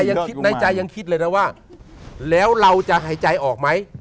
ไม่ในใจยังคิดเลยนะว่าแล้วเราจะหายใจออกมั้ย